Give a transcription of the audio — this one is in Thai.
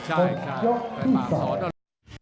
ใช่ใช่